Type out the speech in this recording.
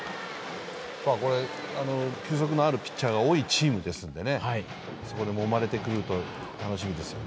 球速のあるピッチャーが多いチームですのでそこでもまれてくると楽しみですよね。